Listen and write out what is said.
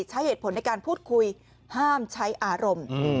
ใช้เหตุผลในการพูดคุยห้ามใช้อารมณ์